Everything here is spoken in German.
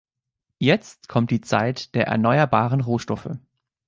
Jetzt kommt die Zeit der erneuerbaren Rohstoffe.